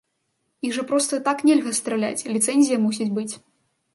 Іх жа проста так нельга страляць, ліцэнзія мусіць быць.